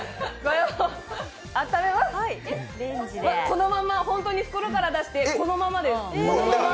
このまま、本当に袋から出して、このままです。